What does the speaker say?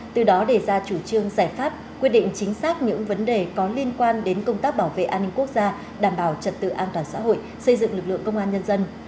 từ đó đề ra chủ trương giải pháp quyết định chính xác những vấn đề có liên quan đến công tác bảo vệ an ninh quốc gia đảm bảo trật tự an toàn xã hội xây dựng lực lượng công an nhân dân